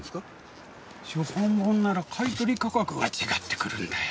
初版本なら買取価格が違ってくるんだよ。